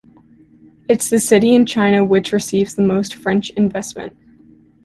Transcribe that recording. It's the city in China which receives the most French investment.